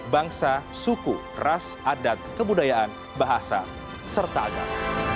bangsa suku ras adat kebudayaan bahasa serta agama